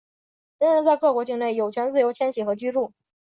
人人在各国境内有权自由迁徙和居住。